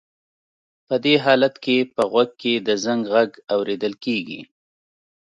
په دې حالت کې په غوږ کې د زنګ غږ اورېدل کېږي.